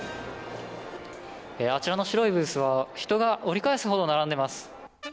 あちらの白いブースは人が折り返すほど並んでいます。